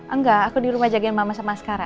enggak aku di rumah jagain mama sama sekarang